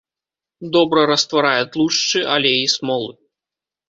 Добра растварае тлушчы, алеі, смолы.